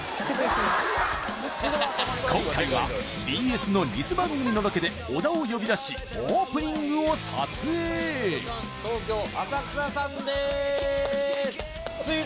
今回はＢＳのニセ番組のロケで小田を呼び出しオープニングを撮影東京浅草さんです